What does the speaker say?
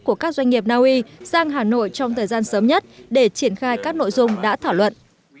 của các doanh nghiệp naui sang hà nội trong thời gian sớm nhất để triển khai các nội dung đã thảo luận